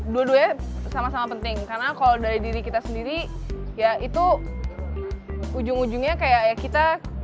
dua duanya sama sama penting karena kalau dari diri kita sendiri ya itu ujung ujungnya kayak kita